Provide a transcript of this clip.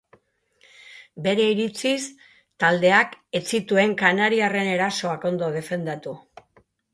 Bere iritziz, taldeak ez zituen kanariarren erasoak ondo defendatu.